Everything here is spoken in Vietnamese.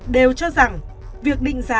đều cho rằng việc định giá